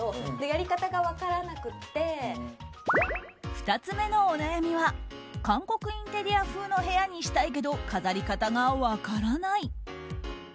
２つ目のお悩みは韓国インテリア風の部屋にしたいけど飾り方が分からない。